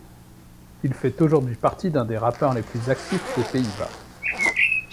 Il fait aujourd'hui partie d'un des rappeurs les plus actifs des Pays-Bas.